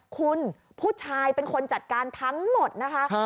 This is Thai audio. คุณผู้ชายเป็นคนจัดการทั้งหมดนะคะ